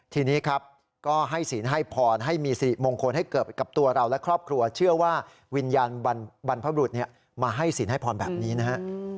ทีนี้ครับก็ให้ศีลให้พรให้มีสิริมงคลให้เกิดกับตัวเราและครอบครัวเชื่อว่าวิญญาณบรรพบรุษมาให้ศีลให้พรแบบนี้นะฮะ